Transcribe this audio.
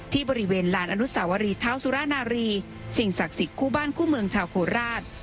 ที่บริเวณลานอนุสาวรีเท้าสุรนารีสิ่งศักดิ์สิทธิ์คู่บ้านคู่เมืองชาวโคราช